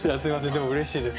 でもうれしいです。